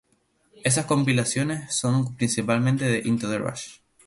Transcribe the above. Esas compilaciones son principalmente de "Into The Rush".